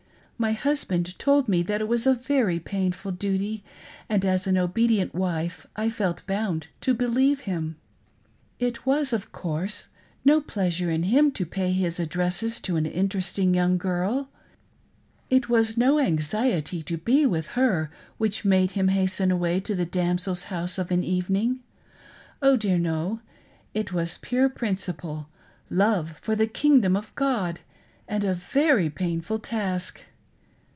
My husband told me that it was " a very painful duty," and as an obedient wife I felt bound to believe him. It was, of course, no pleasure to him to pay his addresses to an in teresting young girl ; it was no anxiety to be with her which made him hasten away to the damsel's house of an evening. Oh dear no ! it was pure principle, love for the kingdom of God, and " a very painful task